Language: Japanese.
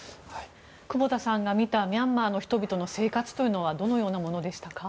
久保田さんが見たミャンマーの人々の生活というのはどのようなものでしたか？